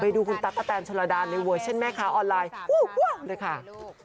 ไปดูคุณตั๊กตะแตนชาดานในเวอร์เช่นแม่ค้าออนไลน์ว้าวเลยค่ะ